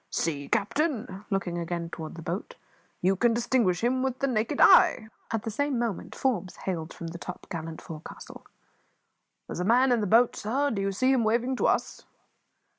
"See, captain," looking again toward the boat "you can distinguish him with the naked eye." At the same moment Forbes hailed from the topgallant forecastle "There's a man in that boat, sir! Do you see him waving to us?"